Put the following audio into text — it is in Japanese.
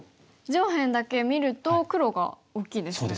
上辺だけ見ると黒が大きいですよね。